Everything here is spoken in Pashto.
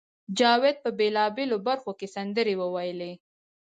جاوید په بېلابېلو برخو کې سندرې وویلې